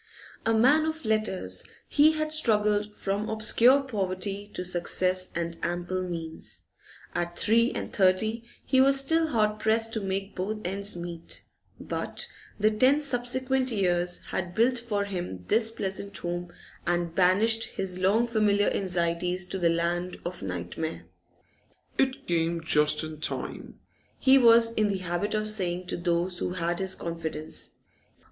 A man of letters, he had struggled from obscure poverty to success and ample means; at three and thirty he was still hard pressed to make both ends meet, but the ten subsequent years had built for him this pleasant home and banished his long familiar anxieties to the land of nightmare. 'It came just in time,' he was in the habit of saying to those who had his confidence.